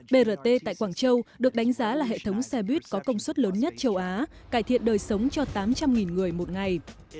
brt tại quảng châu được đánh giá là hệ thống xe buýt có công suất lớn nhất châu á cải thiện đời sống cho tám trăm linh người một ngày